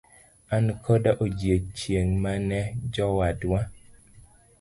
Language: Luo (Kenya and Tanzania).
An koda odiochieng' mane jowadwa.